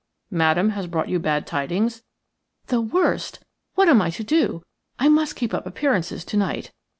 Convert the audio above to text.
"Madame has brought you bad tidings?" "The worst. What am I to do? I must keep up appearances to night.